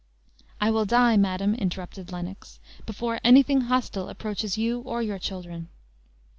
"I will die, madam," interrupted Lennox, "before anything hostile approaches you or your children."